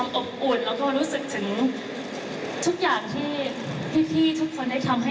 ก็ขอบคุณมากเลยนะคะ